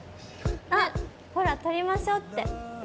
あっほら「撮りましょ」って。